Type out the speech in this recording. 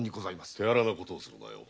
手荒なことをするなよ。